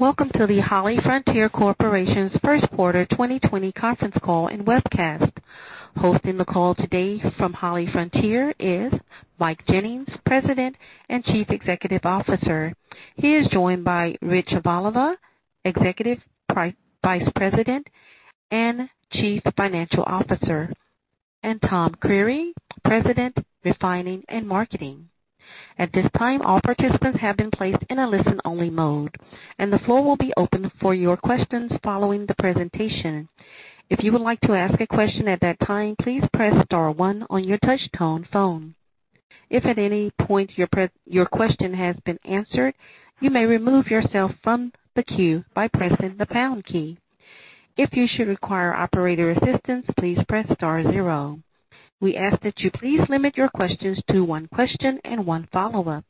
Welcome to the HollyFrontier Corporation's first quarter 2020 conference call and webcast. Hosting the call today from HollyFrontier is Mike Jennings, President and Chief Executive Officer. He is joined by Rich Voliva, Executive Vice President and Chief Financial Officer, and Tom Creery, President, Refining and Marketing. At this time, all participants have been placed in a listen-only mode, and the floor will be open for your questions following the presentation. If you would like to ask a question at that time, please press star one on your touchtone phone. If at any point your question has been answered, you may remove yourself from the queue by pressing the pound key. If you should require operator assistance, please press star zero. We ask that you please limit your questions to one question and one follow-up.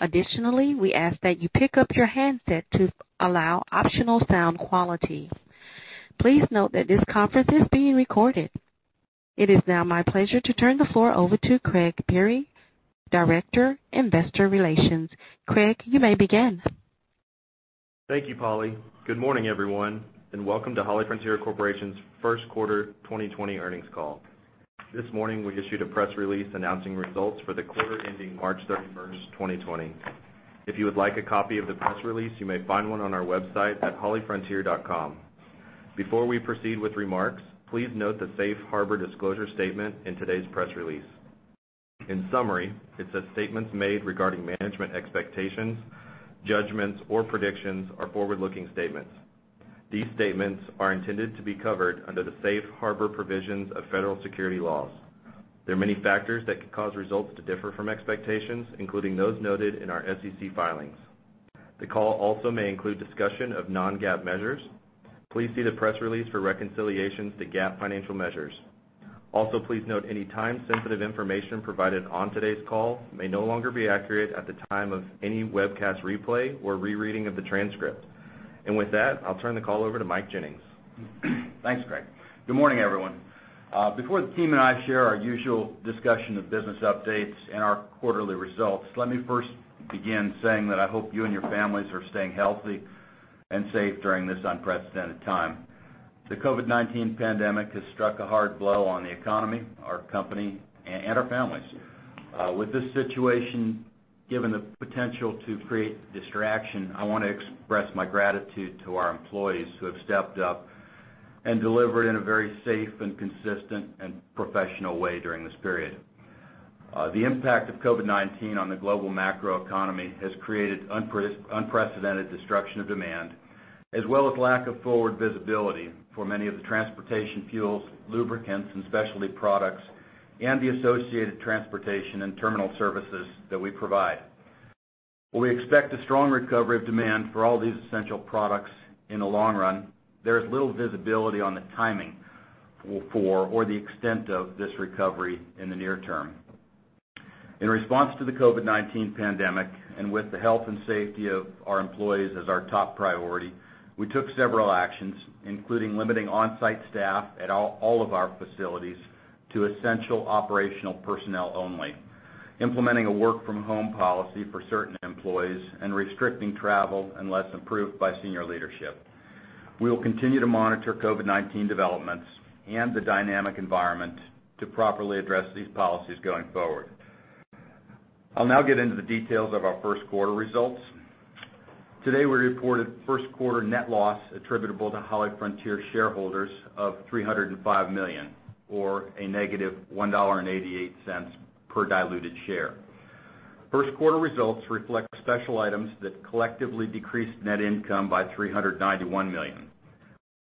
Additionally, we ask that you pick up your handset to allow optimal sound quality. Please note that this conference is being recorded. It is now my pleasure to turn the floor over to Craig Biery, Director, Investor Relations. Craig, you may begin. Thank you, Polly. Good morning, everyone, and welcome to HollyFrontier Corporation's first quarter 2020 earnings call. This morning, we issued a press release announcing results for the quarter ending March 31st, 2020. If you would like a copy of the press release, you may find one on our website at hollyfrontier.com. Before we proceed with remarks, please note the safe harbor disclosure statement in today's press release. In summary, it says statements made regarding management expectations, judgments, or predictions are forward-looking statements. These statements are intended to be covered under the safe harbor provisions of federal security laws. There are many factors that could cause results to differ from expectations, including those noted in our SEC filings. The call also may include discussion of non-GAAP measures. Please see the press release for reconciliations to GAAP financial measures. Please note any time-sensitive information provided on today's call may no longer be accurate at the time of any webcast replay or rereading of the transcript. With that, I'll turn the call over to Mike Jennings. Thanks, Craig. Good morning, everyone. Before the team and I share our usual discussion of business updates and our quarterly results, let me first begin saying that I hope you and your families are staying healthy and safe during this unprecedented time. The COVID-19 pandemic has struck a hard blow on the economy, our company, and our families. With this situation given the potential to create distraction, I want to express my gratitude to our employees who have stepped up and delivered in a very safe, consistent, and professional way during this period. The impact of COVID-19 on the global macroeconomy has created unprecedented destruction of demand, as well as lack of forward visibility for many of the transportation fuels, lubricants, and specialty products and the associated transportation and terminal services that we provide. While we expect a strong recovery of demand for all these essential products in the long run, there is little visibility on the timing for or the extent of this recovery in the near term. In response to the COVID-19 pandemic, and with the health and safety of our employees as our top priority, we took several actions, including limiting on-site staff at all of our facilities to essential operational personnel only, implementing a work-from-home policy for certain employees, and restricting travel unless approved by senior leadership. We will continue to monitor COVID-19 developments and the dynamic environment to properly address these policies going forward. I'll now get into the details of our first quarter results. Today, we reported first quarter net loss attributable to HollyFrontier shareholders of $305 million, or a negative $1.88 per diluted share. First Quarter results reflect special items that collectively decreased net income by $391 million.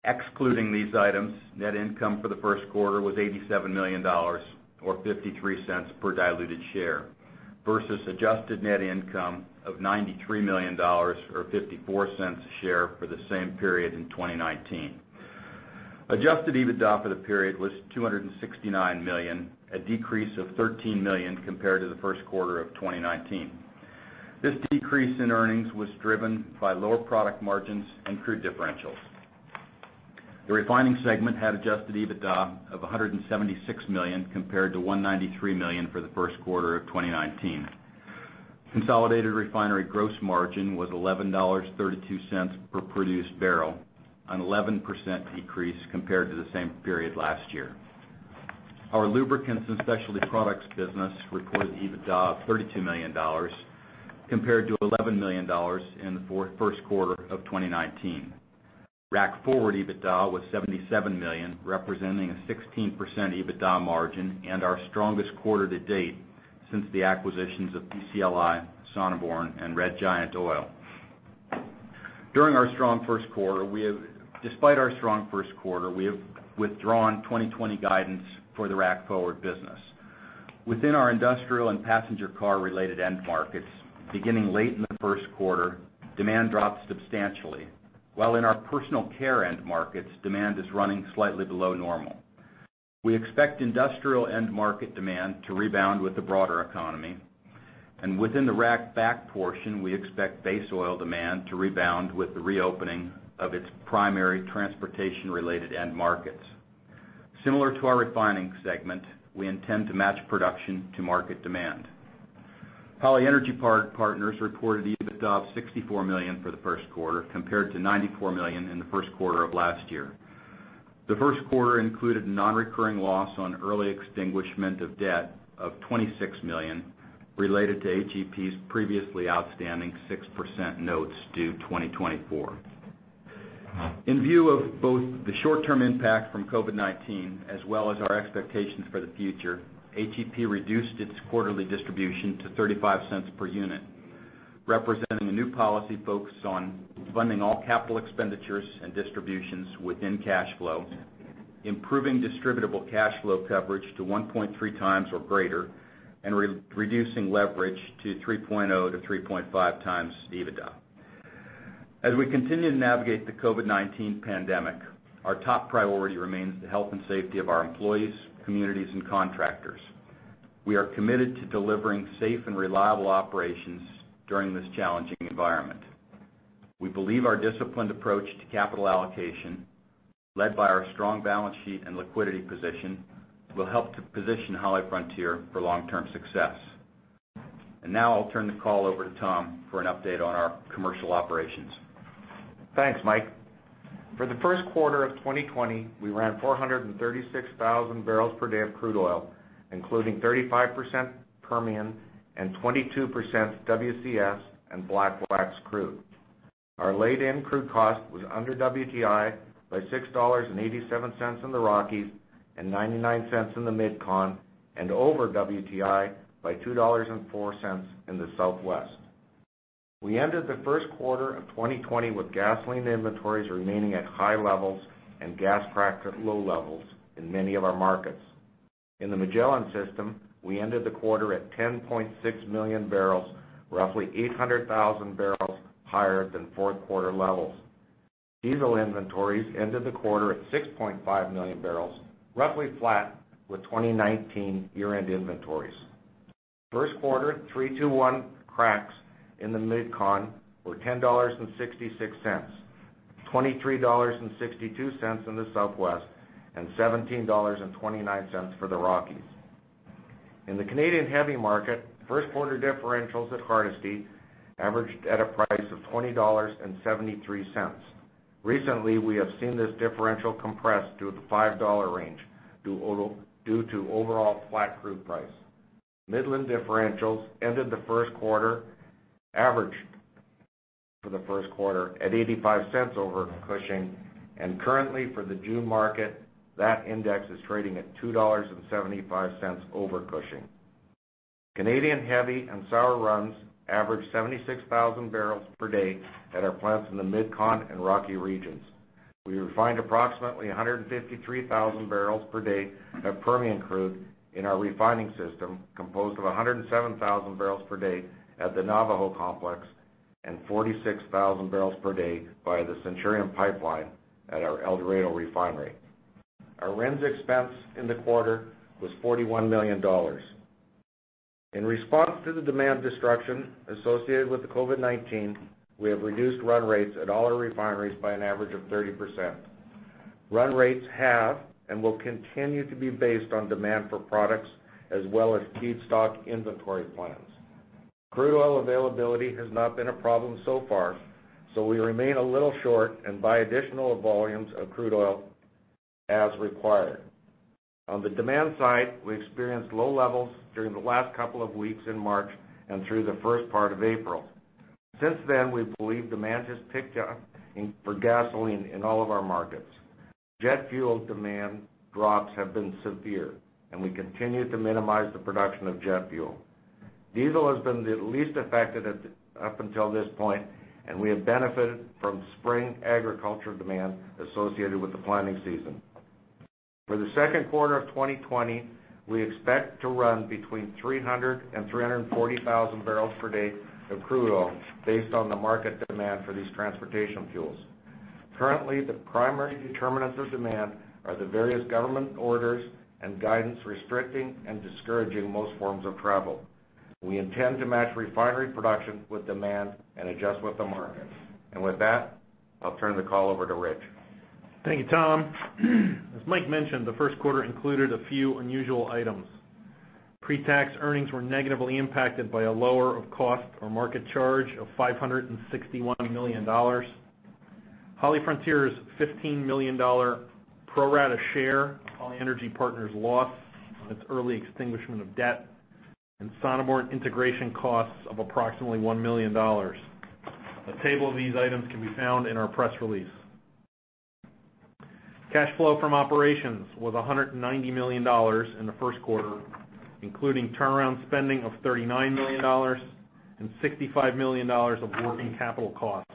Excluding these items, net income for the first quarter was $87 million, or $0.53 per diluted share, versus adjusted net income of $93 million or $0.54 a share for the same period in 2019. Adjusted EBITDA for the period was $269 million, a decrease of $13 million compared to the first quarter of 2019. This decrease in earnings was driven by lower product margins and crude differentials. The refining segment had adjusted EBITDA of $176 million compared to $193 million for the first quarter of 2019. Consolidated refinery gross margin was $11.32 per produced barrel, an 11% decrease compared to the same period last year. Our Lubricants and Specialty Products business reported EBITDA of $32 million compared to $11 million in the first quarter of 2019. Rack Forward EBITDA was $77 million, representing a 16% EBITDA margin and our strongest quarter to date since the acquisitions of PCLI, Sonneborn, and Red Giant Oil. Despite our strong first quarter, we have withdrawn 2020 guidance for the Rack Forward business. Within our industrial and passenger car-related end markets, beginning late in the first quarter, demand dropped substantially. In our personal care end markets, demand is running slightly below normal. We expect industrial end market demand to rebound with the broader economy. Within the rack back portion, we expect base oil demand to rebound with the reopening of its primary transportation-related end markets. Similar to our refining segment, we intend to match production to market demand. Holly Energy Partners reported EBITDA of $64 million for the first quarter, compared to $94 million in the first quarter of last year. The first quarter included non-recurring loss on early extinguishment of debt of $26 million related to HEP's previously outstanding 6% notes due 2024. In view of both the short-term impact from COVID-19 as well as our expectations for the future, HEP reduced its quarterly distribution to $0.35 per unit, representing a new policy focused on funding all capital expenditures and distributions within cash flow, improving distributable cash flow coverage to 1.3 times or greater, and reducing leverage to 3.0-3.5 times EBITDA. As we continue to navigate the COVID-19 pandemic, our top priority remains the health and safety of our employees, communities, and contractors. We are committed to delivering safe and reliable operations during this challenging environment. We believe our disciplined approach to capital allocation, led by our strong balance sheet and liquidity position, will help to position HollyFrontier for long-term success. Now I'll turn the call over to Tom for an update on our commercial operations. Thanks, Mike. For the first quarter of 2020, we ran 436,000 barrels per day of crude oil, including 35% Permian and 22% WCS and black wax crude. Our laid-in crude cost was under WTI by $6.87 in the Rockies and $0.99 in the MidCon, and over WTI by $2.04 in the Southwest. We ended the first quarter of 2020 with gasoline inventories remaining at high levels and gas crack at low levels in many of our markets. In the Magellan system, we ended the quarter at 10.6 million barrels, roughly 800,000 barrels higher than fourth quarter levels. Diesel inventories ended the quarter at 6.5 million barrels, roughly flat with 2019 year-end inventories. First quarter three-two-one cracks in the MidCon were $10.66, $23.62 in the Southwest, and $17.29 for the Rockies. In the Canadian heavy market, first quarter differentials at Hardisty averaged at a price of $20.73. Recently, we have seen this differential compress to the $5 range due to overall flat crude price. Midland differentials ended the first quarter average for the first quarter at $0.85 over Cushing, and currently for the June market, that index is trading at $2.75 over Cushing. Canadian heavy and sour runs averaged 76,000 barrels per day at our plants in the MidCon and Rocky regions. We refined approximately 153,000 barrels per day of Permian crude in our refining system, composed of 107,000 barrels per day at the Navajo complex and 46,000 barrels per day via the Centurion pipeline at our El Dorado refinery. Our RINs expense in the quarter was $41 million. In response to the demand destruction associated with COVID-19, we have reduced run rates at all our refineries by an average of 30%. Run rates have and will continue to be based on demand for products as well as feedstock inventory plans. Crude oil availability has not been a problem so far, so we remain a little short and buy additional volumes of crude oil as required. On the demand side, we experienced low levels during the last couple of weeks in March and through the first part of April. Since then, we believe demand has picked up for gasoline in all of our markets. Jet fuel demand drops have been severe, and we continue to minimize the production of jet fuel. Diesel has been the least affected up until this point, and we have benefited from spring agriculture demand associated with the planting season. For the second quarter of 2020, we expect to run between 300,000 and 340,000 barrels per day of crude oil based on the market demand for these transportation fuels. Currently, the primary determinants of demand are the various government orders and guidance restricting and discouraging most forms of travel. We intend to match refinery production with demand and adjust with the markets. With that, I'll turn the call over to Rich. Thank you, Tom. As Mike mentioned, the first quarter included a few unusual items. Pre-tax earnings were negatively impacted by a lower of cost or market charge of $561 million, HollyFrontier's $15 million pro rata share of Holly Energy Partners' loss on its early extinguishment of debt, and Sonneborn integration costs of approximately $1 million. A table of these items can be found in our press release. Cash flow from operations was $190 million in the first quarter, including turnaround spending of $39 million and $65 million of working capital costs.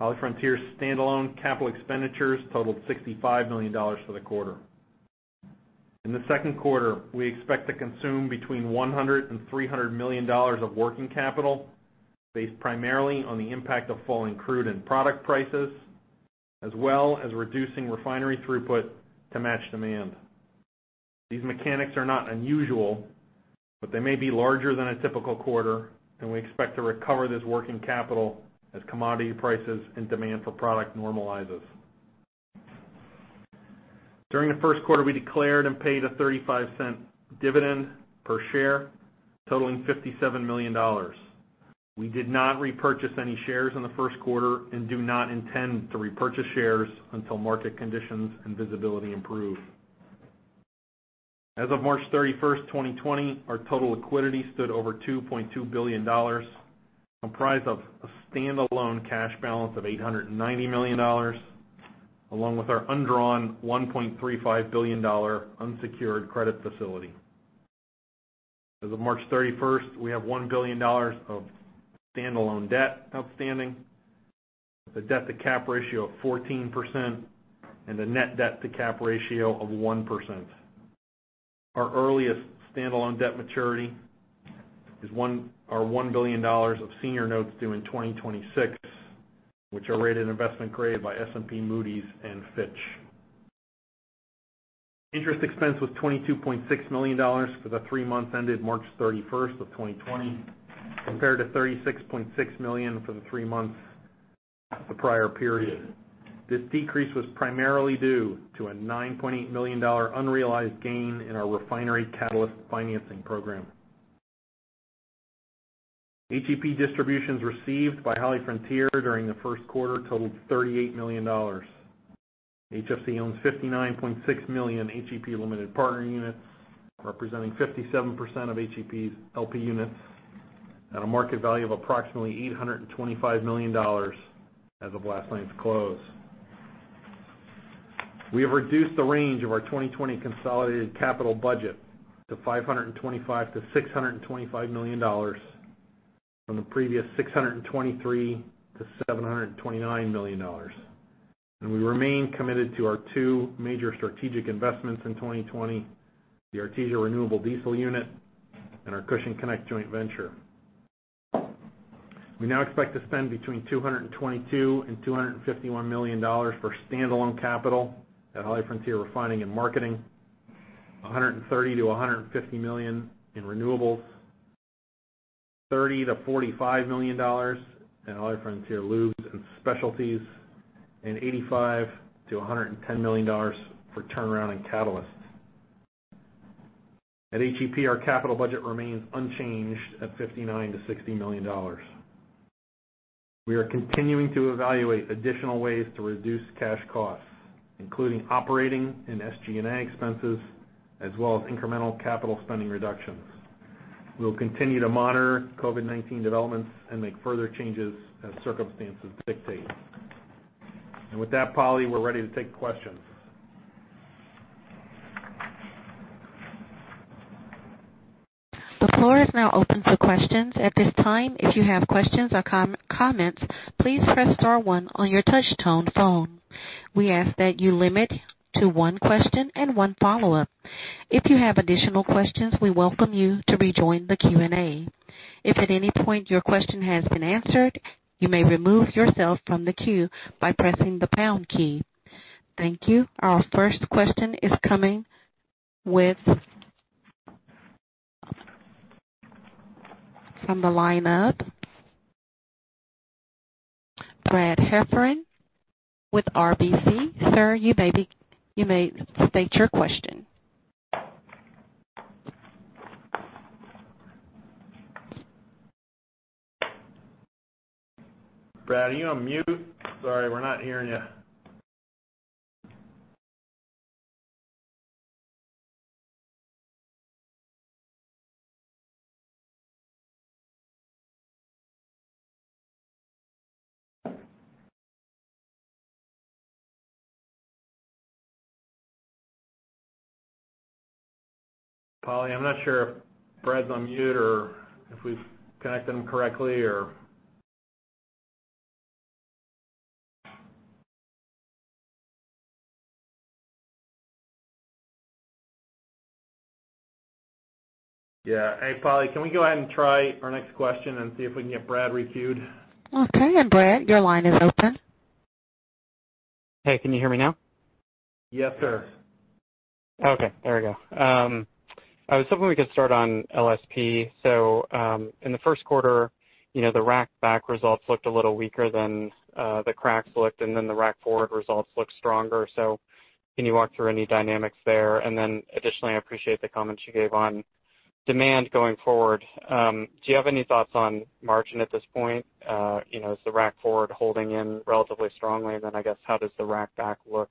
HollyFrontier's standalone capital expenditures totaled $65 million for the quarter. In the second quarter, we expect to consume between $100 and $300 million of working capital based primarily on the impact of falling crude and product prices, as well as reducing refinery throughput to match demand. These mechanics are not unusual, but they may be larger than a typical quarter, and we expect to recover this working capital as commodity prices and demand for product normalizes. During the first quarter, we declared and paid a $0.35 dividend per share, totaling $57 million. We did not repurchase any shares in the first quarter and do not intend to repurchase shares until market conditions and visibility improve. As of March 31, 2020, our total liquidity stood over $2.2 billion, comprised of a standalone cash balance of $890 million, along with our undrawn $1.35 billion unsecured credit facility. As of March 31st, we have $1 billion of standalone debt outstanding, with a debt-to-cap ratio of 14% and a net debt-to-cap ratio of 1%. Our earliest standalone debt maturity is our $1 billion of senior notes due in 2026, which are rated investment grade by S&P, Moody's, and Fitch. Interest expense was $22.6 million for the three months ended March 31st of 2020, compared to $36.6 million for the three months of the prior period. This decrease was primarily due to a $9.8 million unrealized gain in our refinery catalyst financing program. HEP distributions received by HollyFrontier during the first quarter totaled $38 million. HFC owns 59.6 million HEP limited partner units, representing 57% of HEP's LP units at a market value of approximately $825 million as of last night's close. We have reduced the range of our 2020 consolidated capital budget to $525 million-$625 million from the previous $623 million-$729 million. We remain committed to our two major strategic investments in 2020, the Artesia Renewable Diesel Unit and our Cushing Connect joint venture. We now expect to spend between $222 million and $251 million for standalone capital at HollyFrontier Refining & Marketing, $130 million-$150 million in renewables, $30 million-$45 million at HollyFrontier Lubricants & Specialties, and $85 million-$110 million for turnaround in catalysts. At HEP, our capital budget remains unchanged at $59 million-$60 million. We are continuing to evaluate additional ways to reduce cash costs, including operating and SG&A expenses, as well as incremental capital spending reductions. We will continue to monitor COVID-19 developments and make further changes as circumstances dictate. With that, Polly, we're ready to take questions. The floor is now open for questions. At this time, if you have questions or comments, please press star one on your touch tone phone. We ask that you limit to one question and one follow-up. If you have additional questions, we welcome you to rejoin the Q&A. If at any point your question has been answered, you may remove yourself from the queue by pressing the pound key. Thank you. Our first question is coming from the lineup. Brad Heffern with RBC. Sir, you may state your question. Brad, are you on mute? Sorry, we're not hearing you. Polly, I'm not sure if Brad's on mute or if we've connected him correctly or Yeah. Hey, Polly, can we go ahead and try our next question and see if we can get Brad requeued? Okay. Brad, your line is open. Hey, can you hear me now? Yes, sir. Okay, there we go. I was hoping we could start on LSP. In the first quarter, the rack back results looked a little weaker than the cracks looked, and then the rack forward results looked stronger. Can you walk through any dynamics there? Additionally, I appreciate the comments you gave on demand going forward. Do you have any thoughts on margin at this point? Is the rack forward holding in relatively strongly? I guess, how does the rack back look,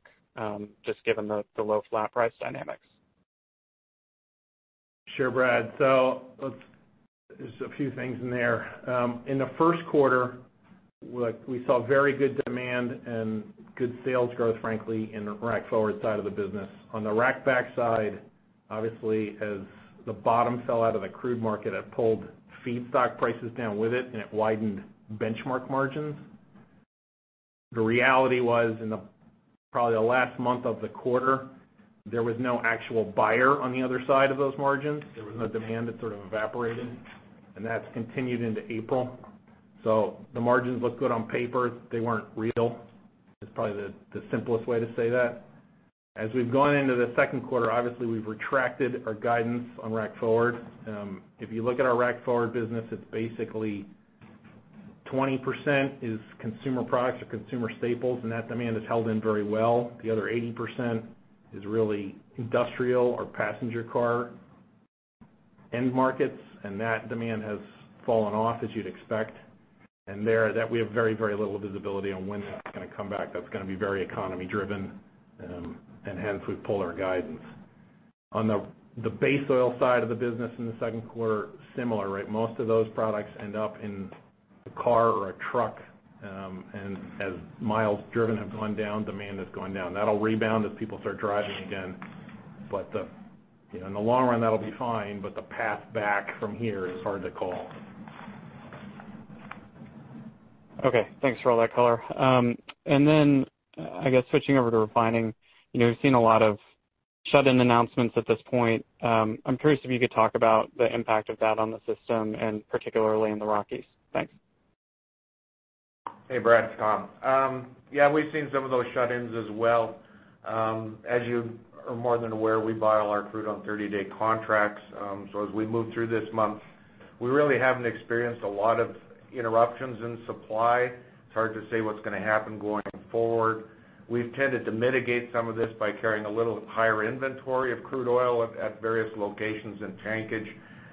just given the low flat price dynamics? Sure, Brad. There's a few things in there. In the first quarter, we saw very good demand and good sales growth, frankly, in the rack forward side of the business. On the rack back side, obviously, as the bottom fell out of the crude market, it pulled feedstock prices down with it and it widened benchmark margins. The reality was in probably the last month of the quarter, there was no actual buyer on the other side of those margins. There was no demand. It sort of evaporated. That's continued into April. The margins look good on paper. They weren't real, is probably the simplest way to say that. As we've gone into the second quarter, obviously, we've retracted our guidance on Rack Forward. If you look at our Rack Forward business, it's basically 20% is consumer products or consumer staples, and that demand has held in very well. The other 80% is really industrial or passenger car end markets, and that demand has fallen off as you'd expect. There, that we have very little visibility on when that's going to come back. That's going to be very economy driven, and hence we've pulled our guidance. On the base oil side of the business in the second quarter, similar, right? Most of those products end up in a car or a truck, and as miles driven have gone down, demand has gone down. That'll rebound as people start driving again. In the long run, that'll be fine, but the path back from here is hard to call. Okay, thanks for all that color. I guess switching over to refining. We've seen a lot of shut-in announcements at this point. I'm curious if you could talk about the impact of that on the system, and particularly in the Rockies. Thanks. Hey, Brad, it's Tom. Yeah, we've seen some of those shut-ins as well. As you are more than aware, we buy all our crude on 30-day contracts. As we move through this month, we really haven't experienced a lot of interruptions in supply. It's hard to say what's going to happen going forward. We've tended to mitigate some of this by carrying a little higher inventory of crude oil at various locations in tankage.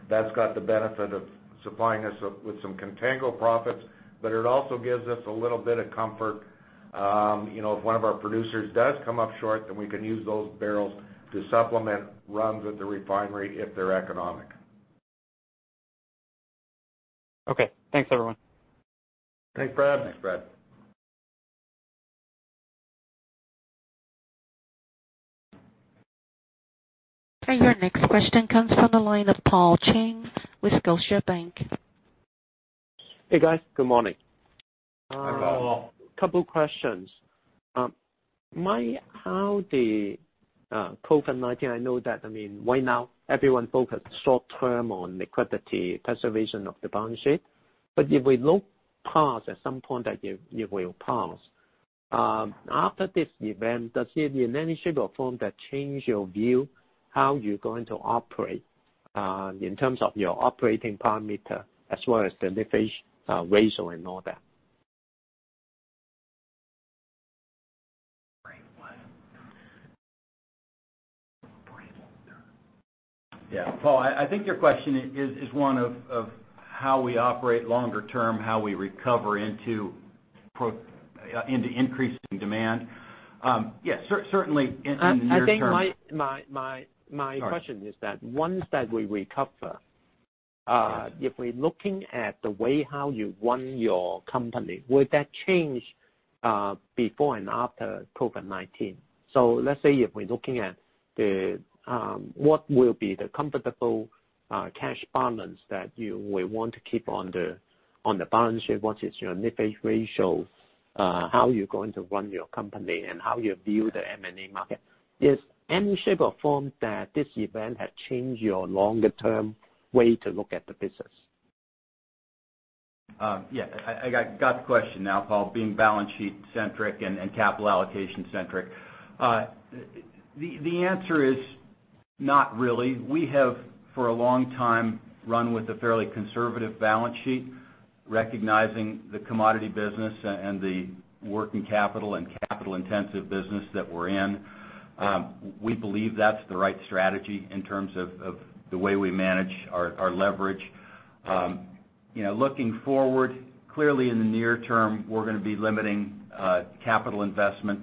That's got the benefit of supplying us with some contango profits, but it also gives us a little bit of comfort. If one of our producers does come up short, we can use those barrels to supplement runs at the refinery if they're economic. Okay. Thanks, everyone. Thanks, Brad. Thanks, Brad. Okay, your next question comes from the line of Paul Cheng with Scotiabank. Hey, guys. Good morning. Hi, Paul. A couple of questions. How the COVID-19, I know that, right now everyone focus short-term on liquidity preservation of the balance sheet. If we look past, at some point that it will pass. After this event, does it in any shape or form that change your view how you're going to operate, in terms of your operating parameter as well as the leverage ratio and all that? Yeah. Paul, I think your question is one of how we operate longer term, how we recover into increasing demand. Yeah, certainly in the near term- I think my question is that once that we recover, if we're looking at the way how you run your company, would that change before and after COVID-19? Let's say if we're looking at what will be the comfortable cash balance that you will want to keep on the balance sheet, what is your leverage ratio? How are you going to run your company, and how you view the M&A market? Is any shape or form that this event had changed your longer-term way to look at the business? I got the question now, Paul, being balance sheet centric and capital allocation centric. The answer is not really. We have, for a long time, run with a fairly conservative balance sheet, recognizing the commodity business and the working capital and capital-intensive business that we're in. We believe that's the right strategy in terms of the way we manage our leverage. Looking forward, clearly in the near term, we're going to be limiting capital investment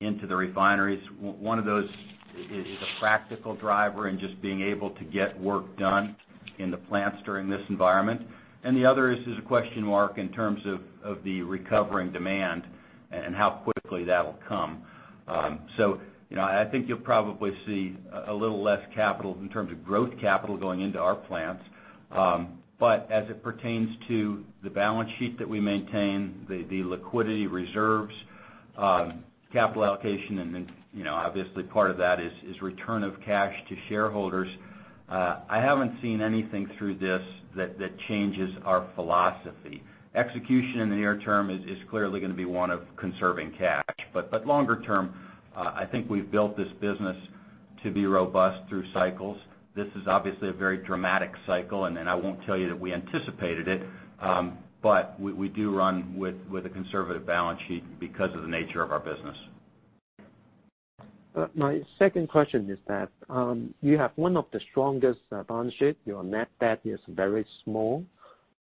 into the refineries. One of those is a practical driver in just being able to get work done in the plants during this environment. The other is a question mark in terms of the recovering demand and how quickly that'll come. I think you'll probably see a little less capital in terms of growth capital going into our plants. As it pertains to the balance sheet that we maintain, the liquidity reserves, capital allocation, and obviously part of that is return of cash to shareholders. I haven't seen anything through this that changes our philosophy. Execution in the near term is clearly going to be one of conserving cash. Longer term, I think we've built this business to be robust through cycles. This is obviously a very dramatic cycle, and I won't tell you that we anticipated it. We do run with a conservative balance sheet because of the nature of our business. My second question is that you have one of the strongest balance sheet. Your net debt is very small.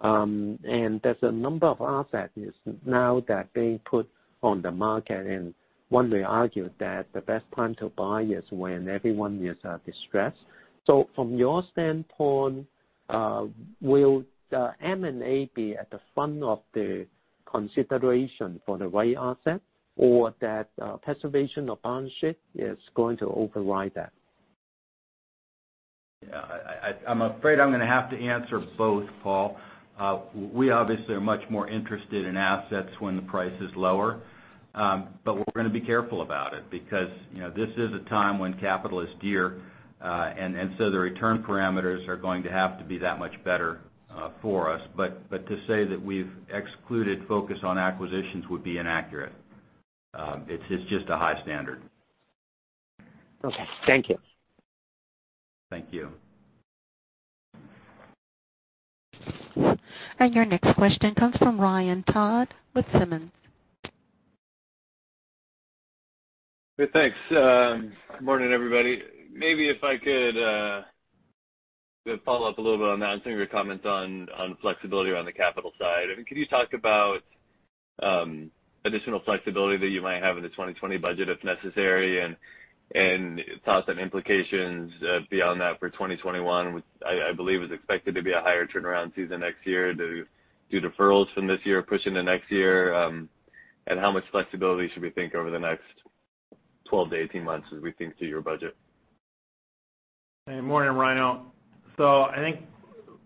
There's a number of assets now that being put on the market, and one may argue that the best time to buy is when everyone is distressed. From your standpoint, will the M&A be at the front of the consideration for the right asset or that preservation of balance sheet is going to override that? Yeah. I'm afraid I'm going to have to answer both, Paul. We obviously are much more interested in assets when the price is lower. We're going to be careful about it because this is a time when capital is dear. The return parameters are going to have to be that much better for us. To say that we've excluded focus on acquisitions would be inaccurate. It's just a high standard. Okay. Thank you. Thank you. Your next question comes from Ryan Todd with Simmons. Good, thanks. Good morning, everybody. Maybe if I could follow up a little bit on that and your comments on flexibility around the capital side. Could you talk about additional flexibility that you might have in the 2020 budget if necessary, and thoughts on implications beyond that for 2021, which I believe is expected to be a higher turnaround season next year due to deferrals from this year pushing to next year? How much flexibility should we think over the next 12 to 18 months as we think through your budget? Morning, Ryan. I think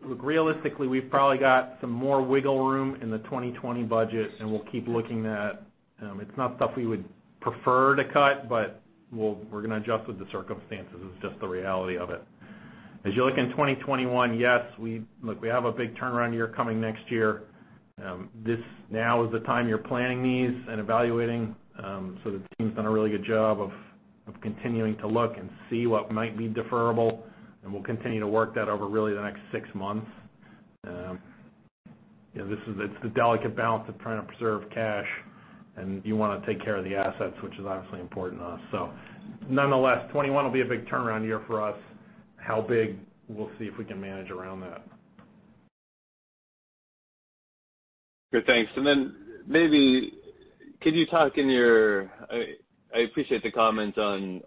realistically, we've probably got some more wiggle room in the 2020 budget, and we'll keep looking at. It's not stuff we would prefer to cut, we're going to adjust with the circumstances. It's just the reality of it. As you look in 2021, yes, we have a big turnaround year coming next year. This now is the time you're planning these and evaluating. The team's done a really good job of continuing to look and see what might be deferrable, and we'll continue to work that over really the next six months. It's the delicate balance of trying to preserve cash, you want to take care of the assets, which is obviously important to us. Nonetheless, 2021 will be a big turnaround year for us. How big? We'll see if we can manage around that. Good, thanks. Maybe could you talk. I appreciate the comments on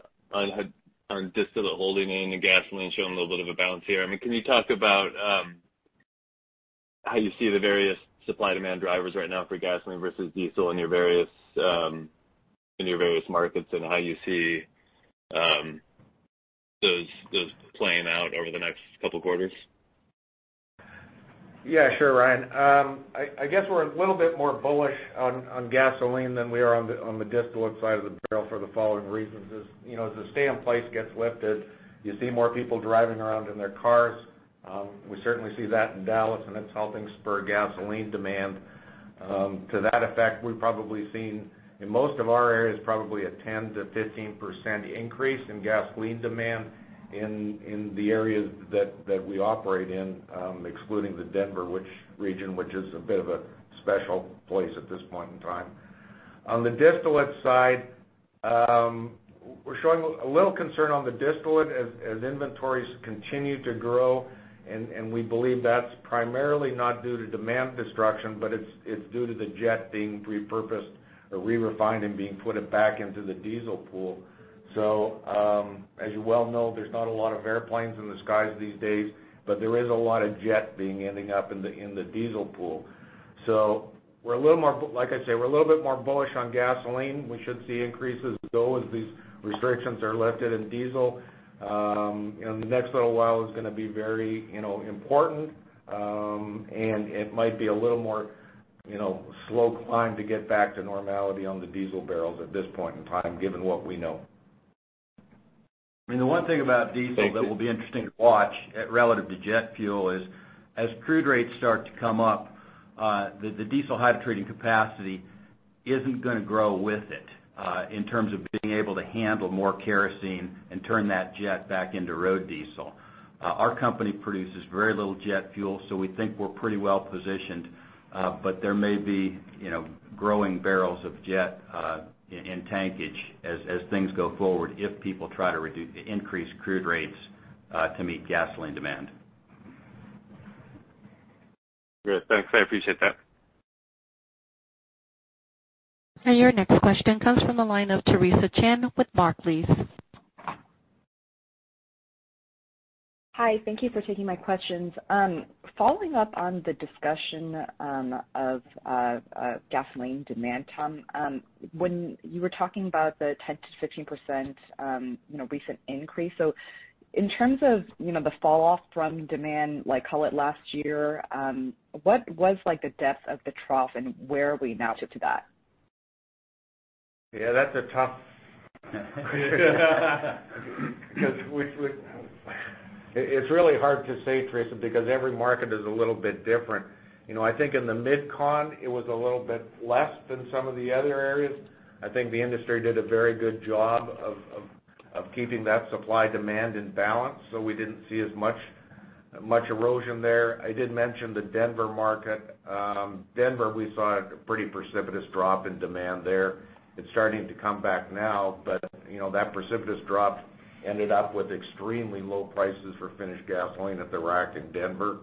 distillate holding in and gasoline showing a little bit of a balance here. Can you talk about how you see the various supply-demand drivers right now for gasoline versus diesel in your various markets and how you see those playing out over the next couple of quarters? Yeah, sure, Ryan. I guess we're a little bit more bullish on gasoline than we are on the distillate side of the barrel for the following reasons. As the stay in place gets lifted, you see more people driving around in their cars. We certainly see that in Dallas, and it's helping spur gasoline demand. To that effect, we've probably seen in most of our areas probably a 10%-15% increase in gasoline demand in the areas that we operate in, excluding the Denver region, which is a bit of a special place at this point in time. On the distillate side, we're showing a little concern on the distillate as inventories continue to grow, and we believe that's primarily not due to demand destruction, but it's due to the jet being repurposed or re-refined and being put back into the diesel pool. As you well know, there's not a lot of airplanes in the skies these days, but there is a lot of jet ending up in the diesel pool. Like I say, we're a little bit more bullish on gasoline. We should see increases, though, as these restrictions are lifted in diesel. The next little while is going to be very important. It might be a little more slow climb to get back to normality on the diesel barrels at this point in time, given what we know. Thank you. It's really hard to say, Teresa, because every market is a little bit different. I think in the MidCon, it was a little bit less than some of the other areas. I think the industry did a very good job of keeping that supply-demand in balance, so we didn't see as much erosion there. I did mention the Denver market. Denver, we saw a pretty precipitous drop in demand there. It's starting to come back now, but that precipitous drop ended up with extremely low prices for finished gasoline at the rack in Denver.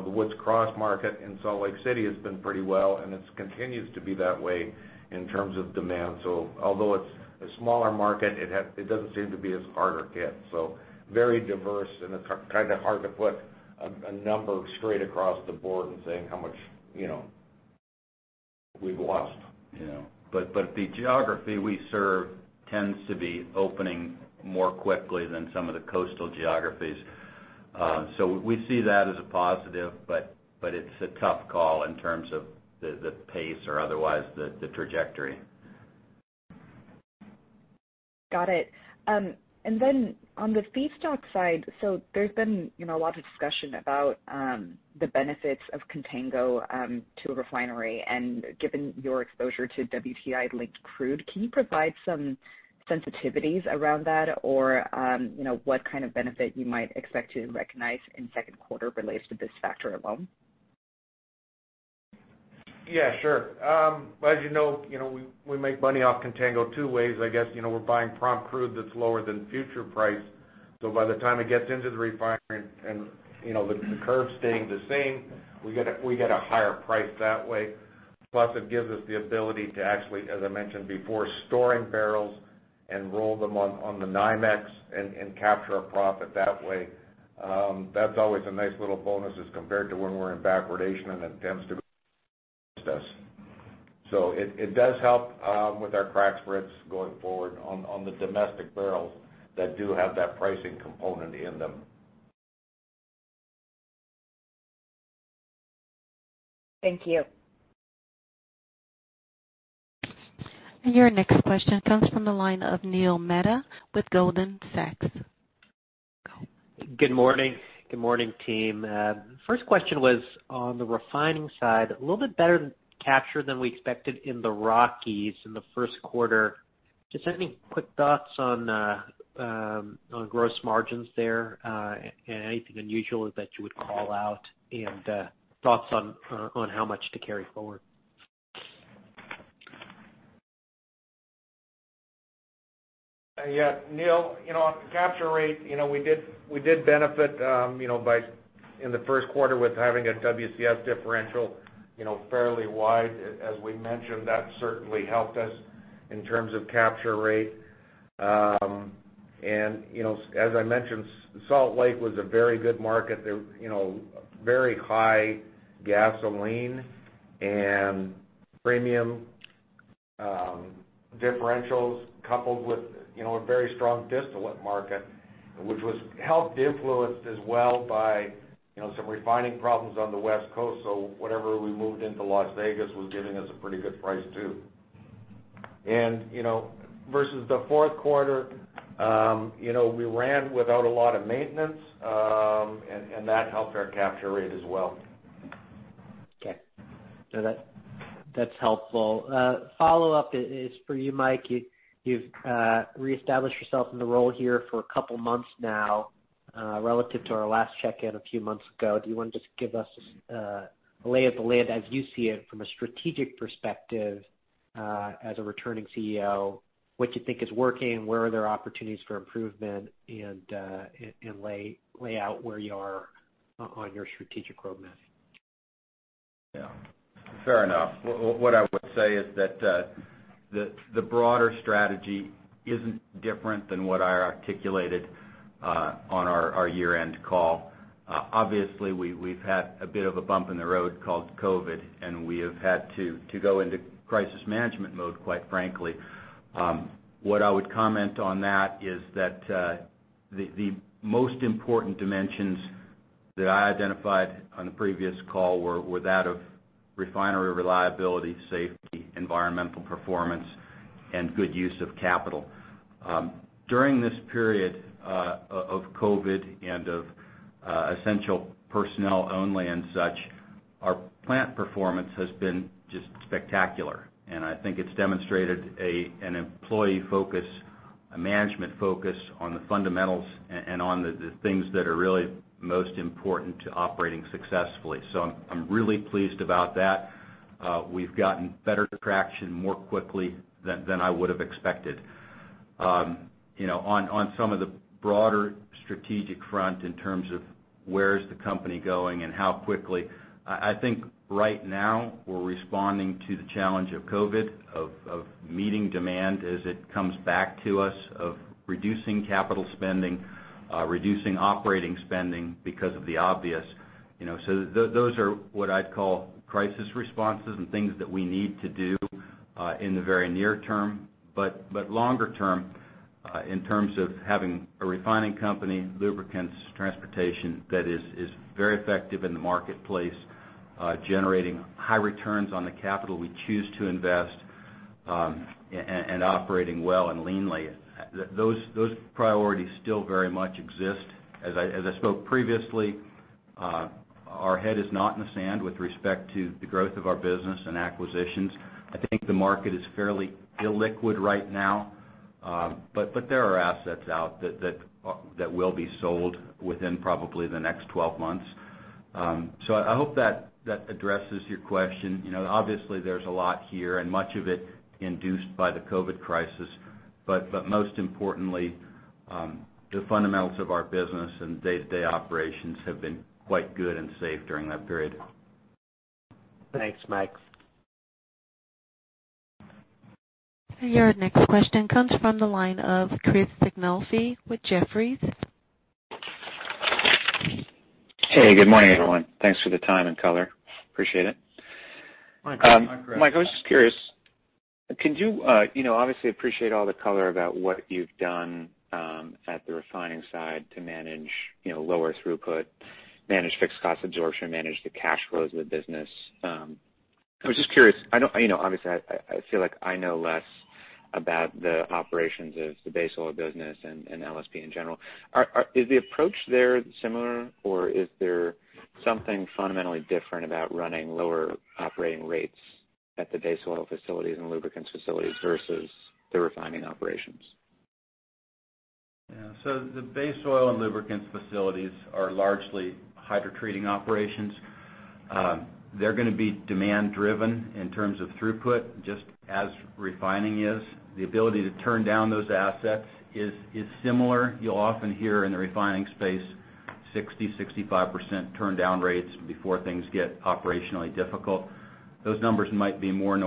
The Woods Cross market in Salt Lake City has been pretty well, and it continues to be that way in terms of demand. Although it's a smaller market, it doesn't seem to be as hard a hit. Very diverse, and it's kind of hard to put a number straight across the board and saying how much we've lost. The geography we serve tends to be opening more quickly than some of the coastal geographies. We see that as a positive, but it's a tough call in terms of the pace or otherwise the trajectory. On the feedstock side, so there's been a lot of discussion about the benefits of contango to a refinery, and given your exposure to WTI-linked crude, can you provide some sensitivities around that? Or what kind of benefit you might expect to recognize in second quarter relates to this factor alone? Yeah, sure. As you know, we make money off contango two ways, I guess. We're buying prompt crude that's lower than future price, so by the time it gets into the refinery and the curve staying the same, we get a higher price that way. Plus it gives us the ability to actually, as I mentioned before, storing barrels and roll them on the NYMEX and capture a profit that way. That's always a nice little bonus as compared to when we're in backwardation and it tends to boost us. It does help with our crack spreads going forward on the domestic barrels that do have that pricing component in them. Thank you. Your next question comes from the line of Neil Mehta with Goldman Sachs. Good morning, team. First question was on the refining side, a little bit better capture than we expected in the Rockies in the first quarter. Just any quick thoughts on gross margins there, and anything unusual that you would call out, and thoughts on how much to carry forward? Yeah. Neil, on capture rate, we did benefit in the first quarter with having a WCS differential fairly wide. As we mentioned, that certainly helped us in terms of capture rate. As I mentioned, Salt Lake was a very good market. Very high gasoline and premium differentials coupled with a very strong distillate market, which was helped influenced as well by some refining problems on the West Coast. Whatever we moved into Las Vegas was giving us a pretty good price, too. Versus the fourth quarter, we ran without a lot of maintenance, and that helped our capture rate as well. Okay. That's helpful. Follow-up is for you, Mike. You've reestablished yourself in the role here for a couple of months now. Relative to our last check-in a few months ago, do you want to just give us a lay of the land as you see it from a strategic perspective as a returning CEO? What you think is working, where are there opportunities for improvement, and lay out where you are on your strategic roadmap? Yeah. Fair enough. What I would say is that the broader strategy isn't different than what I articulated on our year-end call. Obviously, we've had a bit of a bump in the road called COVID, and we have had to go into crisis management mode, quite frankly. What I would comment on that is that the most important dimensions that I identified on the previous call were that of refinery reliability, safety, environmental performance, and good use of capital. During this period of COVID and of essential personnel only and such, our plant performance has been just spectacular, and I think it's demonstrated an employee focus, a management focus on the fundamentals and on the things that are really most important to operating successfully. I'm really pleased about that. We've gotten better traction more quickly than I would've expected. On some of the broader strategic front in terms of where is the company going and how quickly, I think right now we're responding to the challenge of COVID, of meeting demand as it comes back to us, of reducing capital spending, reducing operating spending because of the obvious. Those are what I'd call crisis responses and things that we need to do in the very near term. Longer term, in terms of having a refining company, lubricants, transportation that is very effective in the marketplace, generating high returns on the capital we choose to invest, and operating well and leanly, those priorities still very much exist. As I spoke previously, our head is not in the sand with respect to the growth of our business and acquisitions. I think the market is fairly illiquid right now. There are assets out that will be sold within probably the next 12 months. I hope that addresses your question. Obviously, there's a lot here, and much of it induced by the COVID crisis. Most importantly, the fundamentals of our business and day-to-day operations have been quite good and safe during that period. Thanks, Mike. Your next question comes from the line of Chris Sighinolfi with Jefferies. Hey, good morning, everyone. Thanks for the time and color. Appreciate it. Mike Graff. Mike, I was just curious. Obviously appreciate all the color about what you've done at the refining side to manage lower throughput, manage fixed cost absorption, manage the cash flows of the business. I was just curious. Obviously, I feel like I know less about the operations of the base oil business and LSP in general. Is the approach there similar, or is there something fundamentally different about running lower operating rates at the base oil facilities and lubricants facilities versus the refining operations? Yeah. The base oil and lubricants facilities are largely hydrotreating operations. They're going to be demand-driven in terms of throughput, just as refining is. The ability to turn down those assets is similar. You'll often hear in the refining space 60%, 65% turn down rates before things get operationally difficult. Those numbers might be more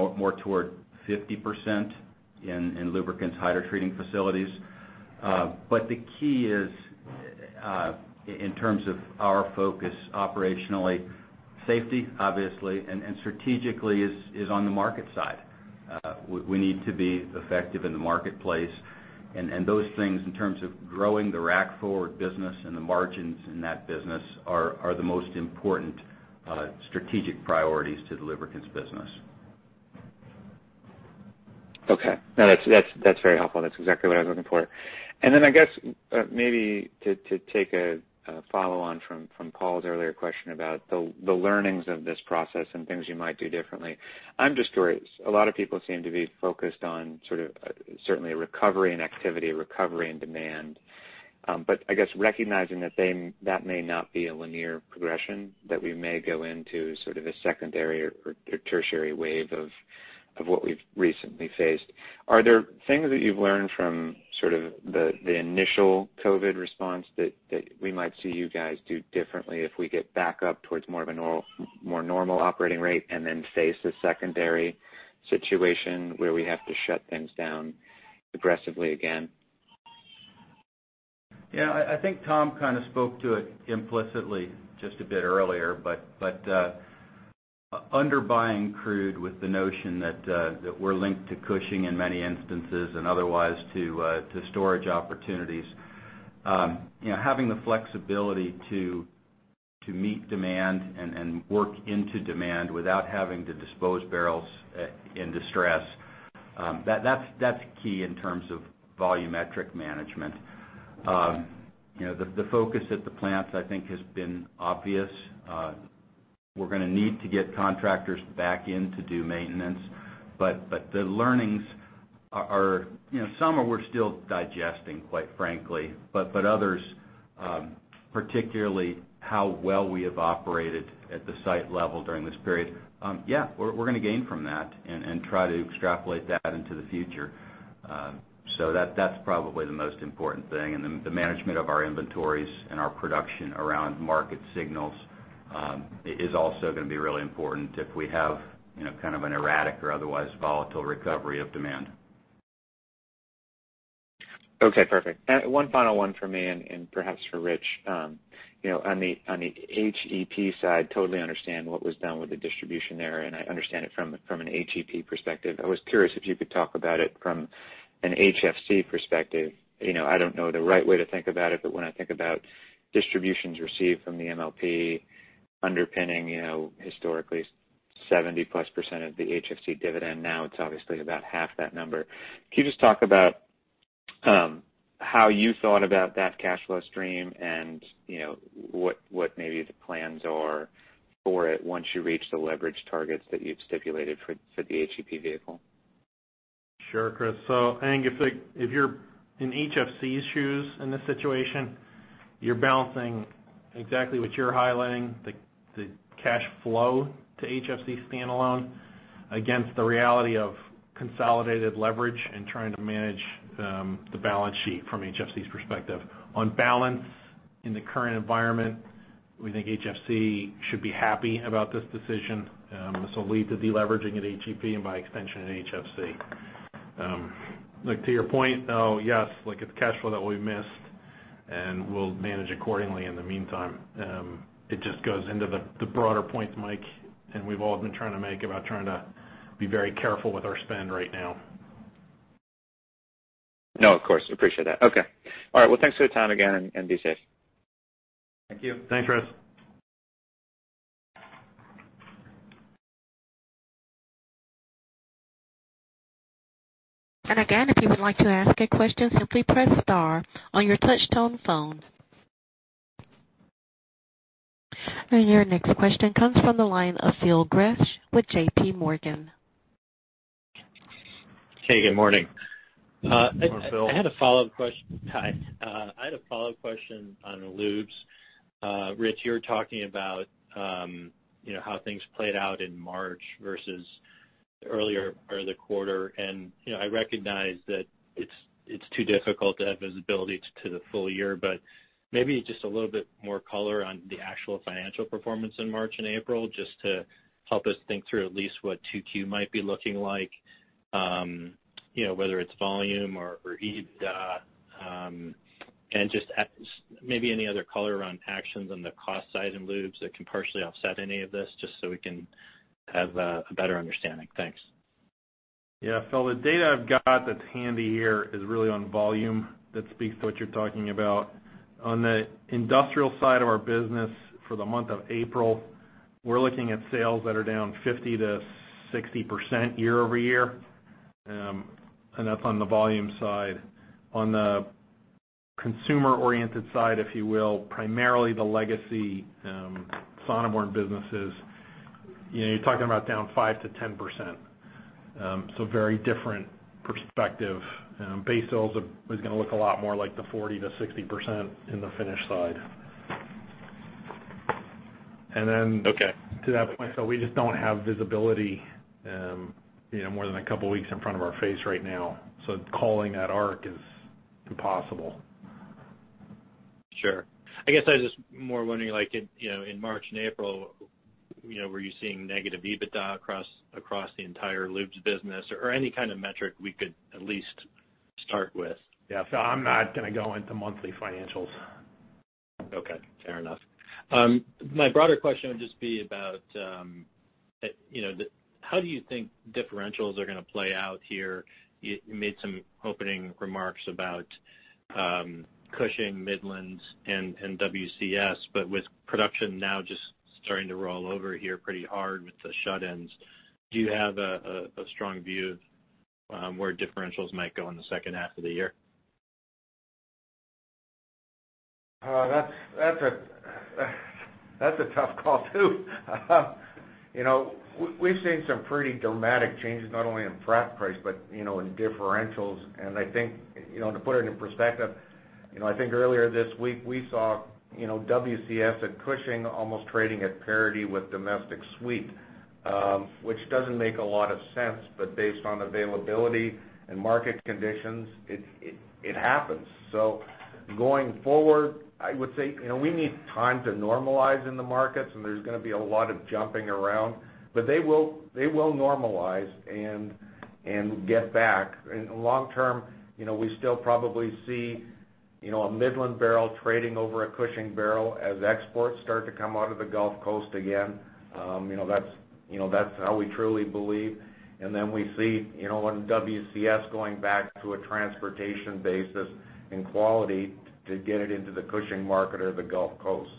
toward 50% in lubricants hydrotreating facilities. The key is, in terms of our focus operationally, safety, obviously, and strategically is on the market side. We need to be effective in the marketplace, and those things, in terms of growing the Rack Forward business and the margins in that business, are the most important strategic priorities to the lubricants business. Okay. No, that's very helpful. That's exactly what I was looking for. I guess, maybe to take a follow-on from Paul's earlier question about the learnings of this process and things you might do differently. I'm just curious, a lot of people seem to be focused on certainly a recovery in activity, a recovery in demand. I guess recognizing that may not be a linear progression, that we may go into a secondary or tertiary wave of what we've recently faced. Are there things that you've learned from the initial COVID response that we might see you guys do differently if we get back up towards more of a normal operating rate and then face a secondary situation where we have to shut things down aggressively again? Yeah, I think Tom kind of spoke to it implicitly just a bit earlier, but under buying crude with the notion that we're linked to Cushing in many instances, and otherwise to storage opportunities. Having the flexibility to meet demand and work into demand without having to dispose barrels in distress, that's key in terms of volumetric management. The focus at the plants, I think, has been obvious. We're going to need to get contractors back in to do maintenance. The learnings, some we're still digesting, quite frankly. Others, particularly how well we have operated at the site level during this period, yeah, we're going to gain from that and try to extrapolate that into the future. That's probably the most important thing. The management of our inventories and our production around market signals is also going to be really important if we have kind of an erratic or otherwise volatile recovery of demand. Okay, perfect. One final one from me and perhaps for Rich. On the HEP side, totally understand what was done with the distribution there, and I understand it from an HEP perspective. I was curious if you could talk about it from an HFC perspective. I don't know the right way to think about it, but when I think about distributions received from the MLP underpinning historically 70+% of the HFC dividend, now it's obviously about half that number. Can you just talk about how you thought about that cash flow stream and what maybe the plans are for it once you reach the leverage targets that you've stipulated for the HEP vehicle? I think if you're in HFC's shoes in this situation, you're balancing exactly what you're highlighting, the cash flow to HFC standalone against the reality of consolidated leverage and trying to manage the balance sheet from HFC's perspective. On balance, in the current environment, we think HFC should be happy about this decision. This will lead to deleveraging at HEP, and by extension, at HFC. To your point, though, yes, it's cash flow that we've missed, and we'll manage accordingly in the meantime. It just goes into the broader point, Mike, and we've all been trying to make about trying to be very careful with our spend right now. No, of course. Appreciate that. Okay. All right. Thanks for the time again, and be safe. Thank you. Thanks, Chris. Again, if you would like to ask a question, simply press star on your touch-tone phone. Your next question comes from the line of Phil Gresh with JP Morgan. Hey, good morning. Good morning, Phil. Hi. I had a follow-up question on lubes. Rich, you were talking about how things played out in March versus earlier part of the quarter. I recognize that it's too difficult to have visibility to the full year, but maybe just a little bit more color on the actual financial performance in March and April, just to help us think through at least what 2Q might be looking like, whether it's volume or EBITDA. Just maybe any other color around actions on the cost side in lubes that can partially offset any of this, just so we can have a better understanding. Thanks. Phil, the data I've got that's handy here is really on volume that speaks to what you're talking about. On the industrial side of our business for the month of April, we're looking at sales that are down 50%-60% year-over-year. That's on the volume side. On the consumer-oriented side, if you will, primarily the legacy Sonneborn businesses, you're talking about down 5%-10%. Very different perspective. Base sales is going to look a lot more like the 40%-60% in the finished side. Okay. To that point, Phil, we just don't have visibility more than a couple of weeks in front of our face right now. Calling that arc is impossible. Sure. I guess I was just more wondering, in March and April, were you seeing negative EBITDA across the entire lubes business or any kind of metric we could at least start with? Yeah. Phil, I'm not going to go into monthly financials. Okay. Fair enough. My broader question would just be about, how do you think differentials are going to play out here? You made some opening remarks about Cushing, Midlands, and WCS, but with production now just starting to roll over here pretty hard with the shut-ins, do you have a strong view of where differentials might go in the second half of the year? That's a tough call, too. We've seen some pretty dramatic changes not only in crack price, but in differentials. I think to put it in perspective, I think earlier this week we saw WCS at Cushing almost trading at parity with domestic sweet, which doesn't make a lot of sense, but based on availability and market conditions, it happens. Going forward, I would say, we need time to normalize in the markets, and there's going to be a lot of jumping around. They will normalize and get back. In the long term, we still probably see a Midland barrel trading over a Cushing barrel as exports start to come out of the Gulf Coast again. That's how we truly believe. Then we see one WCS going back to a transportation basis and quality to get it into the Cushing market or the Gulf Coast.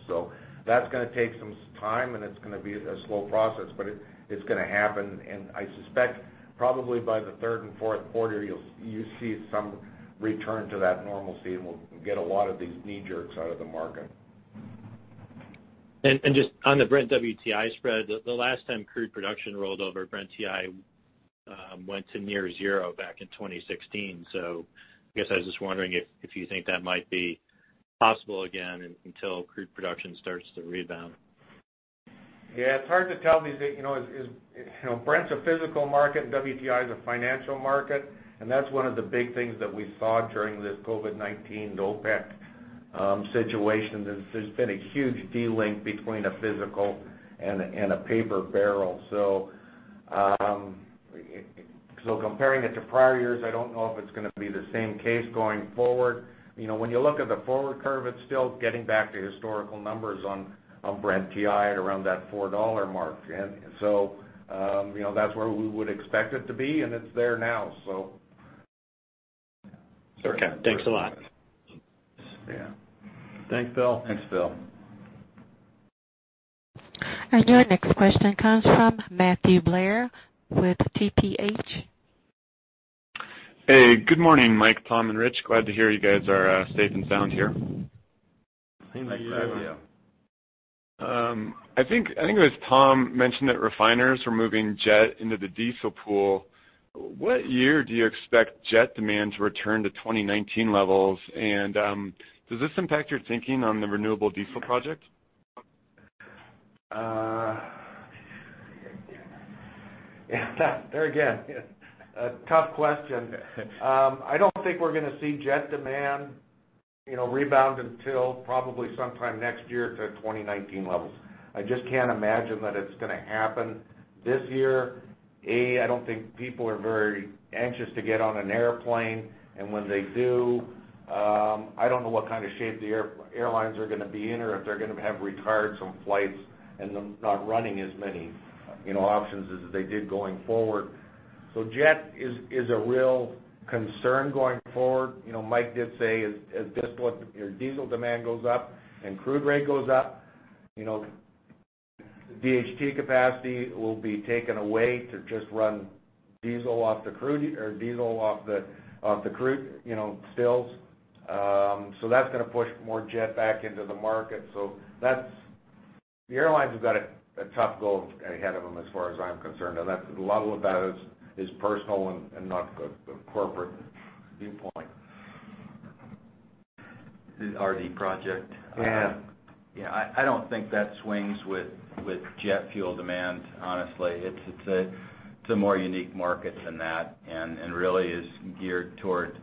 That's going to take some time, and it's going to be a slow process, but it's going to happen. I suspect probably by the third and fourth quarter, you'll see some return to that normalcy, and we'll get a lot of these knee-jerks out of the market. Just on the Brent-TI spread, the last time crude production rolled over, Brent-TI went to near zero back in 2016. I guess I was just wondering if you think that might be possible again until crude production starts to rebound. Yeah. It's hard to tell these days. Brent's a physical market, and WTI is a financial market, and that's one of the big things that we saw during this COVID-19 OPEC situation is there's been a huge delink between a physical and a paper barrel. Comparing it to prior years, I don't know if it's going to be the same case going forward. When you look at the forward curve, it's still getting back to historical numbers on Brent-TI at around that $4 mark. That's where we would expect it to be, and it's there now. Okay. Thanks a lot. Yeah. Thanks, Phil. Thanks, Phil. Your next question comes from Matthew Blair with TPH. Hey, good morning, Mike, Tom, and Rich. Glad to hear you guys are safe and sound here. Same to you. Thank you. I think it was Tom mentioned that refiners were moving jet into the diesel pool. What year do you expect jet demand to return to 2019 levels? Does this impact your thinking on the renewable diesel project? There, again, a tough question. I don't think we're going to see jet demand rebound until probably sometime next year to 2019 levels. I just can't imagine that it's going to happen this year. I don't think people are very anxious to get on an airplane. When they do, I don't know what kind of shape the airlines are going to be in or if they're going to have retired some flights and them not running as many options as they did going forward. Jet is a real concern going forward. Mike did say as diesel demand goes up and crude rate goes up, DHT capacity will be taken away to just run diesel off the crude stills. That's going to push more jet back into the market. The airlines have got a tough go ahead of them as far as I'm concerned. A lot of that is personal and not the corporate viewpoint. The RD project. Yeah. Yeah, I don't think that swings with jet fuel demand, honestly. It's a more unique market than that and really is geared towards